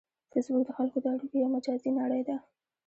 فېسبوک د خلکو د اړیکو یو مجازی نړۍ ده